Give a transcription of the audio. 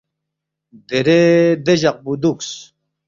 دیرے دے جقپو دُوکس،